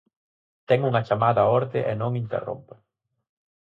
Ten unha chamada á orde e non interrompa.